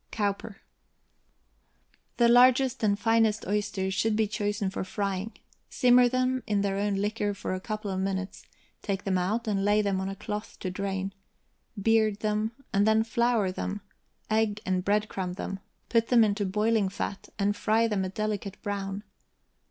COWPER. The largest and finest oysters should be chosen for frying. Simmer them in their own liquor for a couple of minutes; take them out, and lay them on a cloth to drain; beard them, and then flour them, egg and breadcrumb them, put them into boiling fat, and fry them a delicate brown.